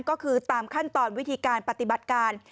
ก็คือตามขั้นตอนวิธีการปฏิบัติการ